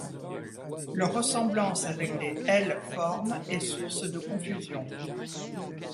Leur ressemblance avec des L-formes est source de confusion.